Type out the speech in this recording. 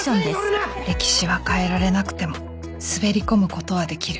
歴史は変えられなくても滑り込むことはできる。